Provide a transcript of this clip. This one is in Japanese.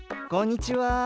こんにちは。